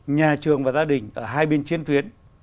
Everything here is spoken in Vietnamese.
nhà trường và gia đình ở hai bên chiến tuyến